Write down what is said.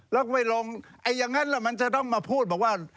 แล้วก็ไปลงอย่างนั้นมันจะต้องมาพูดว่า